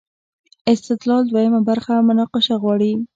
استدلال دویمه برخه مناقشه غواړي.